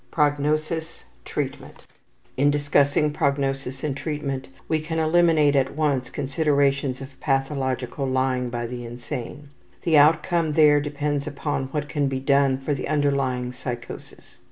PROGNOSIS. TREATMENT In discussing prognosis and treatment we can eliminate at once consideration of pathological lying by the insane. The outcome there depends upon what can be done for the underlying psychosis.